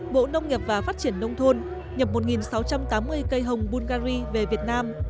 bộ nông nghiệp và phát triển nông thôn nhập một sáu trăm tám mươi cây hồng bulgari về việt nam